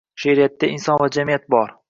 She’riyatida inson va jamiyat bor.